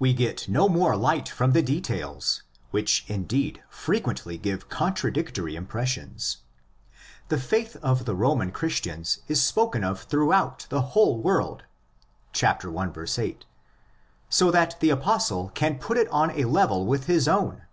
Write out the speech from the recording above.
We get no more light from the details, which indeed frequently give contradictory impressions. The faith of the Roman Christians is spoken of throughout the whole world (i. 8) ; so that the Apostle can put it on & level with his own (i.